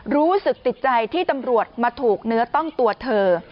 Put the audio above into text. รู้สึกติดใจที่ตำรวจมาถูกเนื้อต้องตัวเธอ